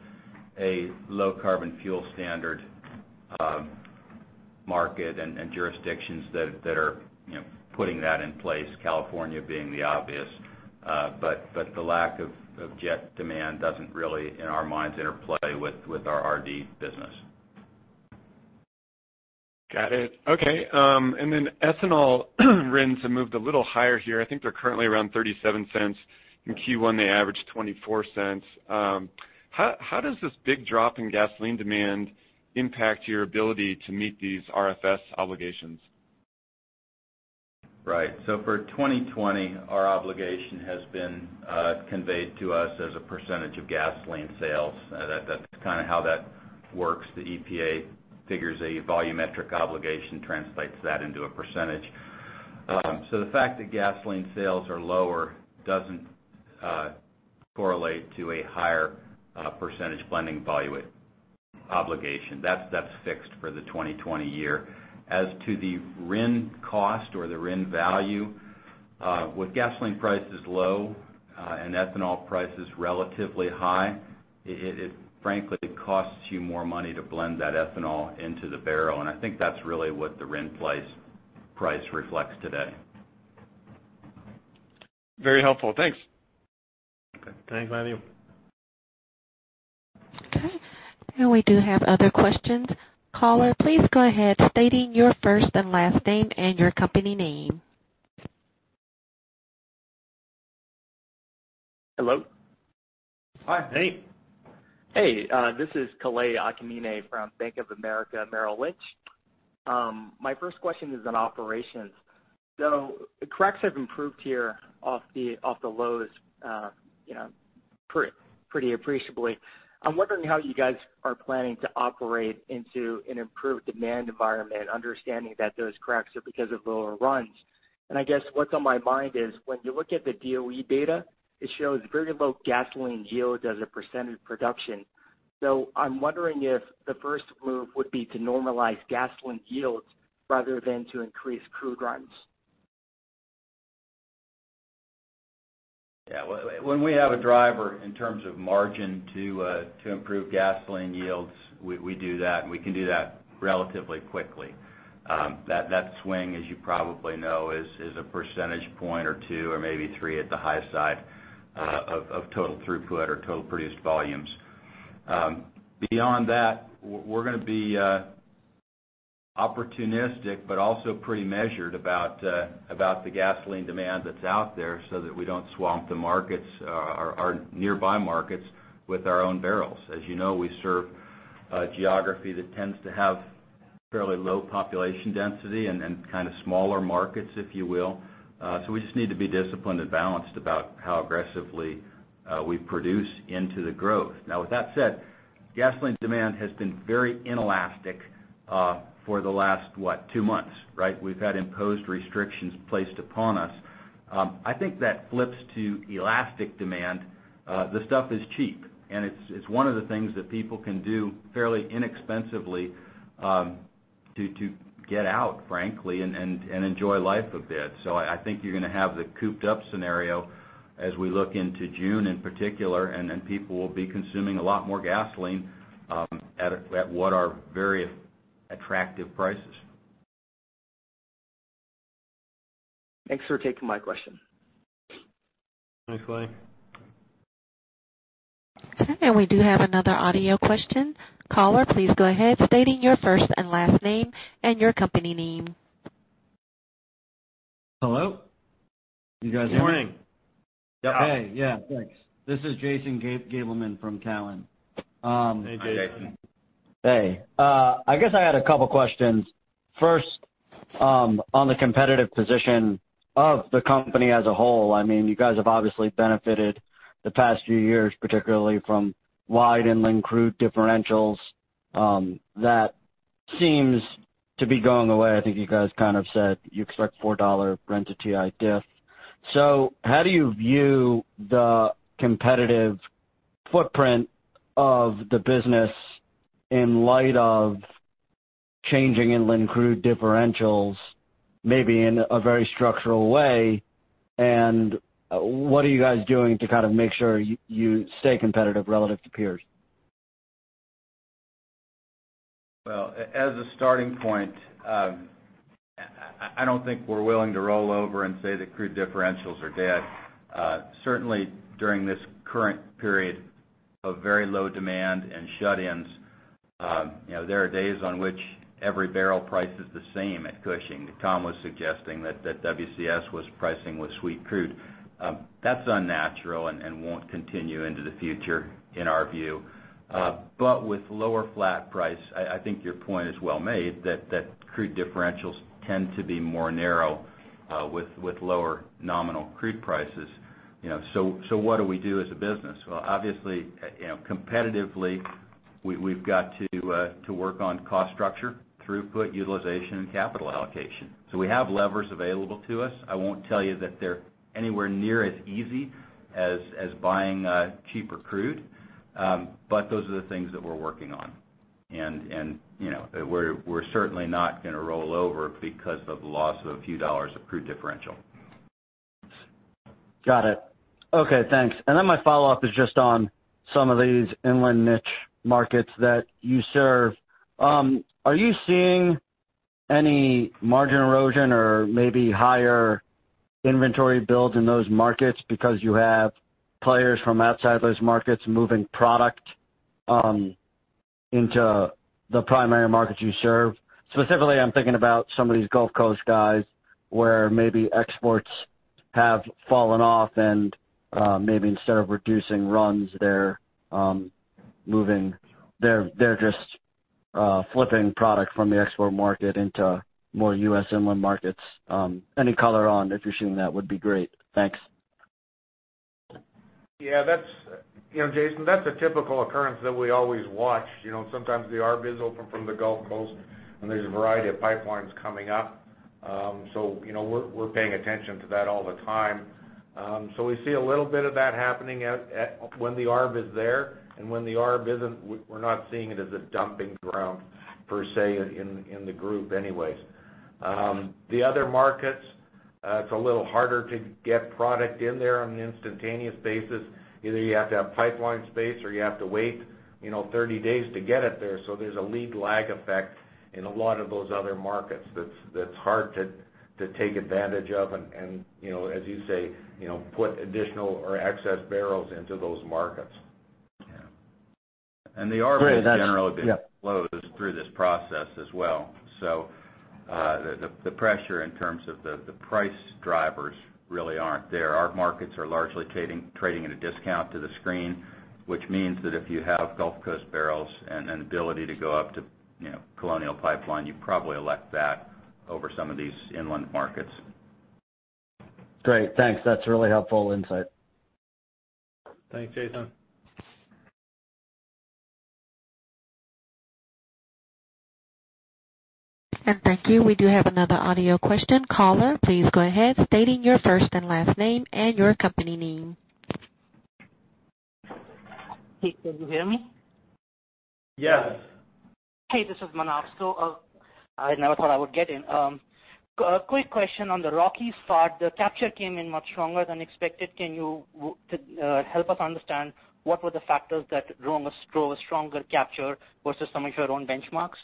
a low-carbon fuel standard market and jurisdictions that are putting that in place, California being the obvious. The lack of jet demand doesn't really, in our minds, interplay with our RD business. Got it. Okay. ethanol RINs have moved a little higher here. I think they're currently around $0.37. In Q1, they averaged $0.24. How does this big drop in gasoline demand impact your ability to meet these RFS obligations? Right. For 2020, our obligation has been conveyed to us as a % of gasoline sales. That's how that works. The EPA figures a volumetric obligation, translates that into a %. The fact that gasoline sales are lower doesn't correlate to a higher % blending volume obligation. That's fixed for the 2020 year. As to the RIN cost or the RIN value, with gasoline prices low and ethanol prices relatively high, it frankly costs you more money to blend that ethanol into the barrel, and I think that's really what the RIN price reflects today. Very helpful. Thanks. Okay. Thanks, Matthew. Okay. We do have other questions. Caller, please go ahead, stating your first and last name and your company name. Hello? Hi, mate. Hey. This is Kalei Akamine from Bank of America Merrill Lynch. My first question is on operations. Cracks have improved here off the lows pretty appreciably. I'm wondering how you guys are planning to operate into an improved demand environment, understanding that those cracks are because of lower runs. I guess what's on my mind is, when you look at the DOE data, it shows very low gasoline yields as a percentage of production. I'm wondering if the first move would be to normalize gasoline yields rather than to increase crude runs. Yeah. When we have a driver in terms of margin to improve gasoline yields, we do that, and we can do that relatively quickly. That swing, as you probably know, is a percentage point or two, or maybe three at the high side of total throughput or total produced volumes. Beyond that, we're going to be opportunistic but also pretty measured about the gasoline demand that's out there so that we don't swamp the markets, our nearby markets, with our own barrels. As you know, we serve a geography that tends to have fairly low population density and kind of smaller markets, if you will. We just need to be disciplined and balanced about how aggressively we produce into the growth. Now with that said, gasoline demand has been very inelastic for the last what? Two months, right? We've had imposed restrictions placed upon us. I think that flips to elastic demand. The stuff is cheap, and it's one of the things that people can do fairly inexpensively to get out, frankly, and enjoy life a bit. I think you're going to have the cooped-up scenario as we look into June, in particular, people will be consuming a lot more gasoline at what are very attractive prices. Thanks for taking my question. Thanks, Kalei. We do have another audio question. Caller, please go ahead stating your first and last name and your company name. Hello? You guys there? Good morning. Hey. Yeah. Thanks. This is Jason Gabelman from Cowen. Hey, Jason. Hey. I guess I had a couple questions. First, on the competitive position of the company as a whole. You guys have obviously benefited the past few years, particularly from wide inland crude differentials. That seems to be going away. I think you guys kind of said you expect $4 Brent-TI diff. How do you view the competitive footprint of the business in light of changing inland crude differentials, maybe in a very structural way, and what are you guys doing to kind of make sure you stay competitive relative to peers? As a starting point, I don't think we're willing to roll over and say that crude differentials are dead. Certainly, during this current period of very low demand and shut-ins, there are days on which every barrel price is the same at Cushing. Tom was suggesting that WCS was pricing with sweet crude. That's unnatural and won't continue into the future in our view. With lower flat price, I think your point is well made that crude differentials tend to be more narrow with lower nominal crude prices. What do we do as a business? Obviously, competitively, we've got to work on cost structure, throughput, utilization, and capital allocation. We have levers available to us. I won't tell you that they're anywhere near as easy as buying cheaper crude. Those are the things that we're working on. We're certainly not going to roll over because of the loss of a few dollars of crude differential. Got it. Okay, thanks. Then my follow-up is just on some of these inland niche markets that you serve. Are you seeing any margin erosion or maybe higher inventory build in those markets because you have players from outside those markets moving product into the primary markets you serve. Specifically, I'm thinking about some of these Gulf Coast guys where maybe exports have fallen off and maybe instead of reducing runs, they're just flipping product from the export market into more U.S. inland markets. Any color on if you're seeing that would be great. Thanks. Yeah, Jason, that's a typical occurrence that we always watch. Sometimes the ARB is open from the Gulf Coast, and there's a variety of pipelines coming up. We're paying attention to that all the time. We see a little bit of that happening when the ARB is there, and when the ARB isn't, we're not seeing it as a dumping ground per se in the group anyway. The other markets, it's a little harder to get product in there on an instantaneous basis. Either you have to have pipeline space or you have to wait 30 days to get it there. There's a lead lag effect in a lot of those other markets that's hard to take advantage of and, as you say, put additional or excess barrels into those markets. Yeah. The ARB has generally been closed through this process as well. The pressure in terms of the price drivers really aren't there. Our markets are largely trading at a discount to the screen, which means that if you have Gulf Coast barrels and ability to go up to Colonial Pipeline, you probably elect that over some of these inland markets. Great. Thanks. That's a really helpful insight. Thanks, Jason. Thank you. We do have another audio question. Caller, please go ahead, stating your first and last name and your company name. Can you hear me? Yes. Hey, this is Manav. I never thought I would get in. A quick question on the Rockies part, the capture came in much stronger than expected. Can you help us understand what were the factors that drove a stronger capture versus some of your own benchmarks?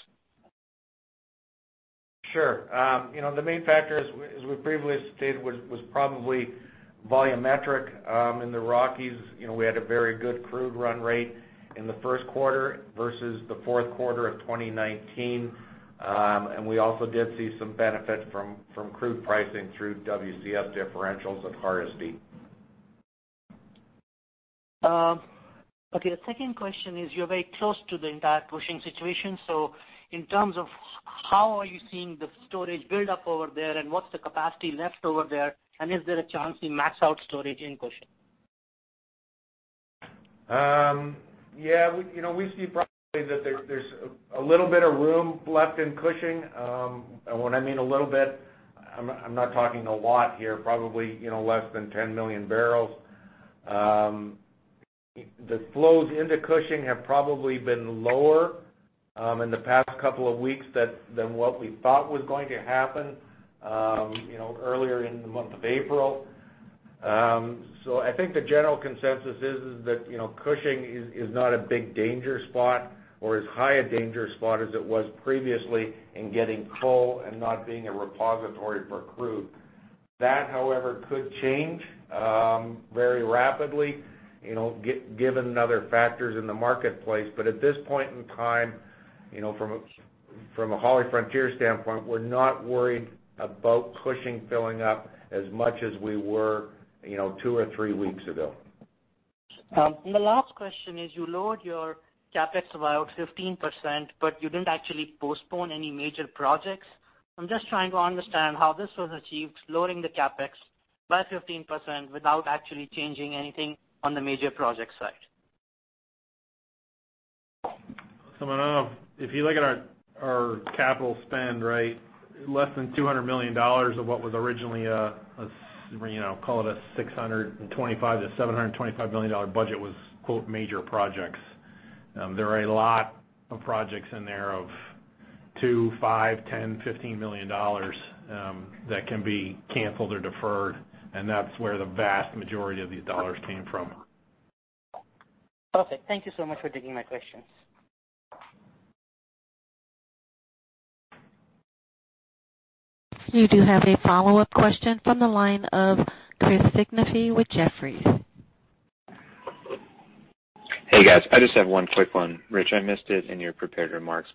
Sure. The main factor, as we previously stated, was probably volumetric. In the Rockies, we had a very good crude run rate in the first quarter versus the fourth quarter of 2019. We also did see some benefit from crude pricing through WCS differentials at Hardisty. Okay. The second question is, you're very close to the entire Cushing situation. In terms of how are you seeing the storage build up over there, and what's the capacity left over there, and is there a chance you max out storage in Cushing? We see probably that there's a little bit of room left in Cushing. When I mean a little bit, I'm not talking a lot here, probably less than 10 million barrels. The flows into Cushing have probably been lower in the past couple of weeks than what we thought was going to happen earlier in the month of April. I think the general consensus is that Cushing is not a big danger spot or as high a danger spot as it was previously in getting full and not being a repository for crude. That, however, could change very rapidly given other factors in the marketplace. At this point in time, from a HollyFrontier standpoint, we're not worried about Cushing filling up as much as we were two or three weeks ago. The last question is, you lowered your CapEx to about 15%, but you didn't actually postpone any major projects. I'm just trying to understand how this was achieved, lowering the CapEx by 15% without actually changing anything on the major project side. Manav, if you look at our capital spend, less than $200 million of what was originally, call it a $625 million-$725 million budget was quote, "major projects." There are a lot of projects in there of two, five, 10, $15 million that can be canceled or deferred, and that's where the vast majority of these dollars came from. Perfect. Thank you so much for taking my questions. You do have a follow-up question from the line of Chris Sighinolfi with Jefferies. Hey, guys. I just have one quick one. Rich, I missed it in your prepared remarks,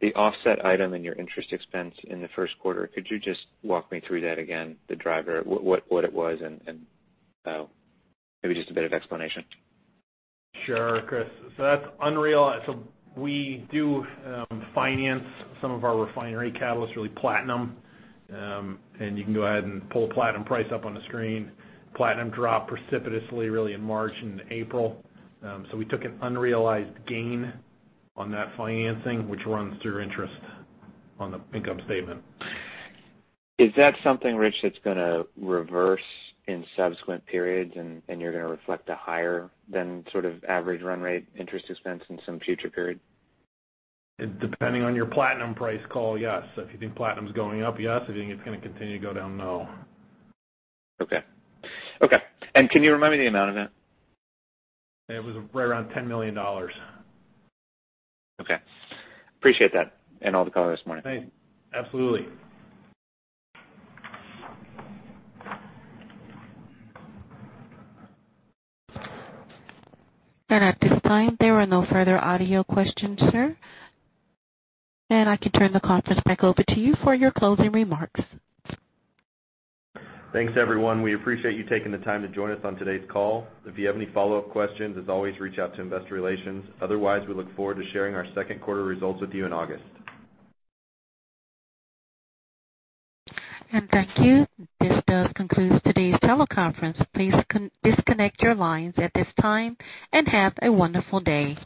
the offset item in your interest expense in the first quarter, could you just walk me through that again, the driver, what it was, and maybe just a bit of explanation? Sure, Chris. We do finance some of our refinery catalysts, really platinum. You can go ahead and pull platinum price up on the screen. Platinum dropped precipitously really in March and April. We took an unrealized gain on that financing, which runs through interest on the income statement. Is that something, Rich, that's going to reverse in subsequent periods and you're going to reflect a higher than sort of average run rate interest expense in some future period? Depending on your platinum price call, yes. If you think platinum's going up, yes. If you think it's going to continue to go down, no. Okay. Can you remind me the amount on that? It was right around $10 million. Okay. Appreciate that and all the color this morning. Thanks. Absolutely. At this time, there are no further audio questions, sir. I can turn the conference back over to you for your closing remarks. Thanks, everyone. We appreciate you taking the time to join us on today's call. If you have any follow-up questions, as always, reach out to investor relations. Otherwise, we look forward to sharing our second quarter results with you in August. Thank you. This does conclude today's teleconference. Please disconnect your lines at this time, and have a wonderful day.